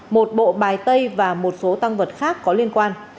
một bộ bài tay và một số tăng vật khác có liên quan